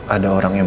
ada orang yang